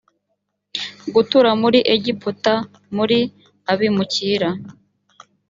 gutura muri egiputa muri abimukira